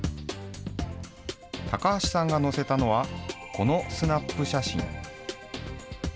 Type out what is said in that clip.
高橋さんが載せたのは、このスナップ写真。